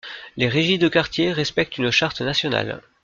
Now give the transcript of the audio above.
Les régies de quartier respectent une charte nationale.